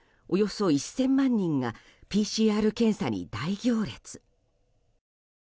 およそ１０００万人がＰＣＲ検査に大行列。